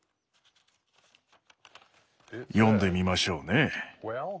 読んでみましょうね。